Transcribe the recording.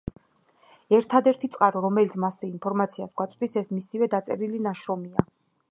ერთადერთი წყარო, რომელიც მასზე ინფორმაციას გვაწვდის, ეს მისივე დაწერილი ნაშრომია.